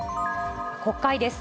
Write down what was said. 国会です。